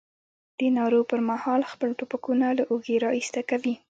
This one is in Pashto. د نارو پر مهال خپل ټوپکونه له اوږې را ایسته کوي.